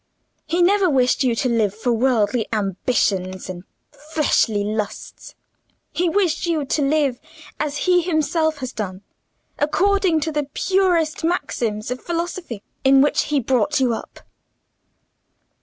He never wished you to live for worldly ambitions and fleshly lusts; he wished you to live as he himself has done, according to the purest maxims of philosophy, in which he brought you up."